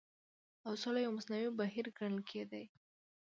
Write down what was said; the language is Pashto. او سوله يو مصنوعي بهير ګڼل کېدی